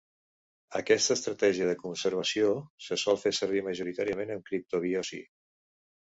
Aquesta estratègia de conservació se sol fer servir majoritàriament en criptobiosi.